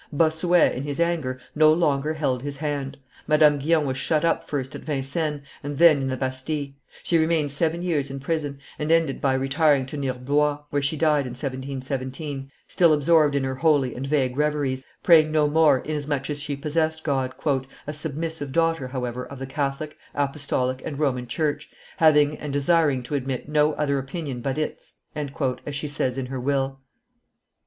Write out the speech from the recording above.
Bossuet, in his anger, no longer held his hand. Madame Guyon was shut up first at Vincennes, and then in the Bastille; she remained seven years in prison, and ended by retiring to near Blois, where she died in 1717, still absorbed in her holy and vague reveries, praying no more inasmuch as she possessed God, "a submissive daughter, however, of the Catholic, Apostolic, and Roman Church, having and desiring to admit no other opinion but its," as she says in her will.